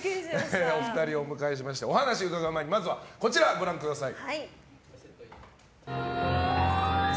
お二人をお迎えしましてお話を伺う前にまずは、こちらご覧ください。